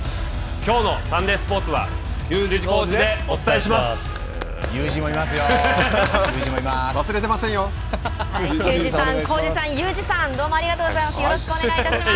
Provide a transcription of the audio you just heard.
きょうのサンデースポーツは球児・浩治でお伝えします。